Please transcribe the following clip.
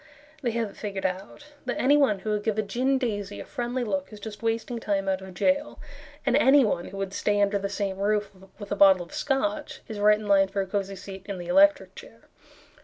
They have it figured out That anyone who would give a gin daisy a friendly look Is just wasting time out of jail, And anyone who would stay under the same roof With a bottle of Scotch Is right in line for a cozy seat in the electric chair.